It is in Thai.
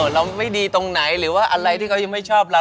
เราไม่ดีตรงไหนหรือว่าอะไรที่เขายังไม่ชอบเรา